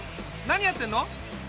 何やってんの？